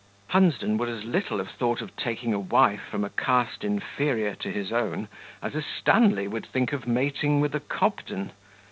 Hunsden would as little have thought of taking a wife from a caste inferior to his own, as a Stanley would think of mating with a Cobden.